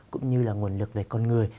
cũng như là nguồn lực về con người